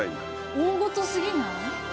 大ごとすぎない？